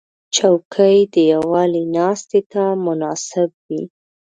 چوکۍ د یووالي ناستې ته مناسب وي.